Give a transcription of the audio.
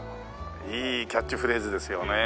いいキャッチフレーズですよねえ。